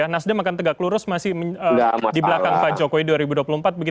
nasdem akan tegak lurus masih di belakang pak jokowi dua ribu dua puluh empat